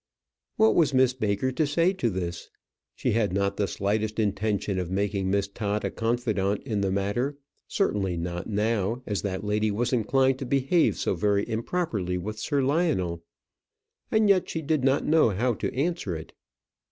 What was Miss Baker to say to this? She had not the slightest intention of making Miss Todd a confidante in the matter: certainly not now, as that lady was inclined to behave so very improperly with Sir Lionel; and yet she did not know how to answer it.